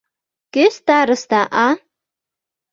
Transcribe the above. Кӧ староста, а?